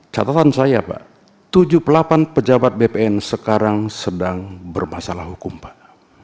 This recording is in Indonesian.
catatan saya pak tujuh puluh delapan pejabat bpn sekarang sedang bermasalah hukum pak